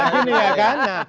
nah ini ya kan